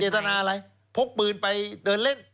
ตนาอะไรพกปืนไปเดินเล่น